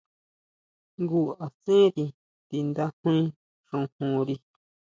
Jngu asenri tindajui xojonri.